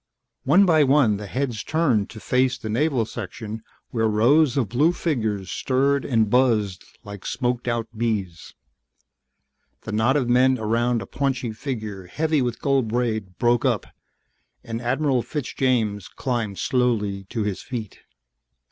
One by one the heads turned to face the Naval section where rows of blue figures stirred and buzzed like smoked out bees. The knot of men around a paunchy figure heavy with gold braid broke up and Admiral Fitzjames climbed slowly to his feet.